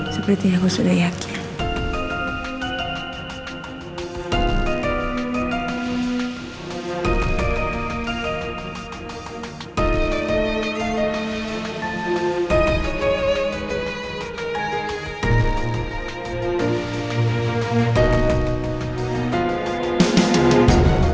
sepertinya gue sudah yakin